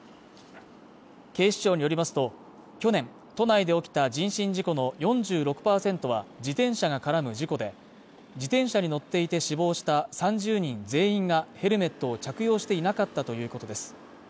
警視庁によりますと、去年都内で起きた人身事故の４６％は自転車が絡む事故で、自転車に乗っていて死亡した３０人全員がヘルメットを着用していなかったということです。